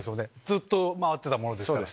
ずっと回ってたものですから。